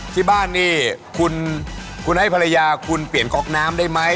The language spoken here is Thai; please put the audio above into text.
ที่บ้านนี่คุณให้ภรรยาคุณเปลี่ยนก๊อกน้ำได้ไหม